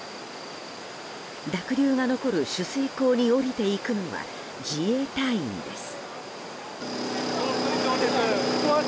濁流が残る取水口に下りていくのは自衛隊員です。